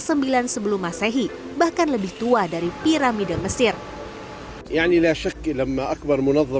sebelum masehi bahkan lebih tua dari piramida mesir yang tidak cek ilang maka akbar menetap